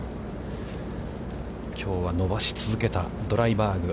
きょうは伸ばし続けたドライバーグ。